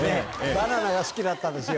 バナナが好きだったんですよ。